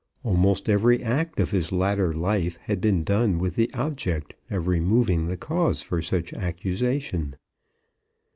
Almost every act of his latter life had been done with the object of removing the cause for such accusation.